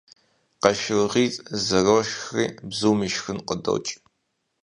КъашыргъитӀ зэрошхри бзум ишхын къыдокӀ.